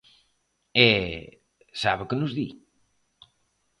E ¿sabe que nos di?